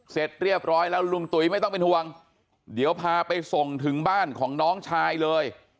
เสร็จเรียบร้อยแล้วลุงตุ๋ยไม่ต้องเป็นห่วงเดี๋ยวพาไปส่งถึงบ้านของน้องชายเลย